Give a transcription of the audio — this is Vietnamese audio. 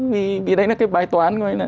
vì đây là cái bài toán